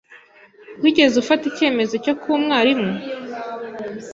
Wigeze ufata icyemezo cyo kuba umwarimu?